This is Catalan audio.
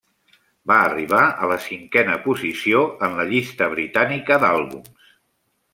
Va arribar a la cinquena posició en la llista britànica d'àlbums.